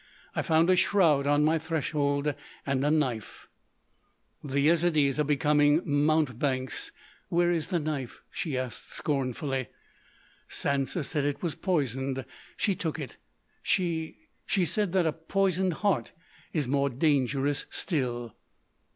I found a shroud on my threshold. And a knife." "The Yezidees are becoming mountebanks.... Where is the knife?" she asked scornfully. "Sansa said it was poisoned. She took it. She—she said that a poisoned heart is more dangerous still."